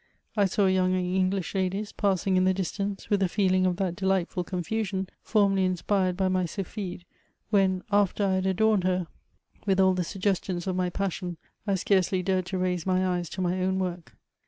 I saw 3roung English ladies passing in the distance, with a fooling of that deligntful confusion, formerly inspired by my sylphide, when, after I had adorned her ynm all the suggestions of my CHATRikUBRIAND. 375 paanon, I scarcely dared to raise my eyes to my own work.